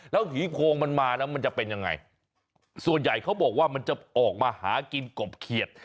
แล้วผีโพงมันมาแล้วมันจะเป็นยังไงส่วนใหญ่เขาบอกว่ามันจะออกมาหากินกบเขียด